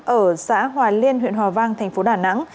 ở xã hòa liên huyện hòa vang thành phố đà nẵng